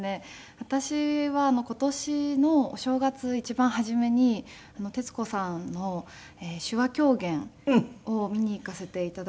私は今年のお正月一番初めに徹子さんの手話狂言を見に行かせて頂きまして。